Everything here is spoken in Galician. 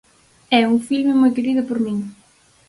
É un filme moi querido por min.